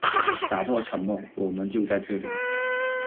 打破沉默，我们就在这里！